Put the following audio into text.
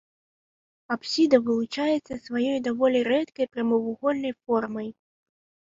Апсіда вылучаецца сваёй даволі рэдкай прамавугольнай формай.